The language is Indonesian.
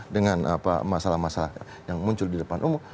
dengan masalah masalah yang muncul di depan umum